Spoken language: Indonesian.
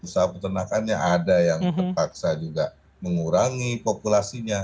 usaha peternakannya ada yang terpaksa juga mengurangi populasinya